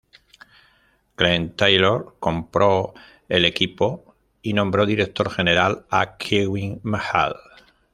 Glen Taylor compró el equipo y nombró director general a Kevin McHale.